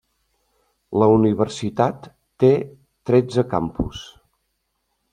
La universitat té tretze campus.